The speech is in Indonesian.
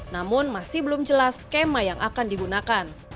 namun masih belum jelas skema yang akan digunakan